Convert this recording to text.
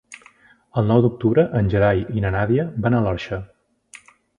El nou d'octubre en Gerai i na Nàdia van a l'Orxa.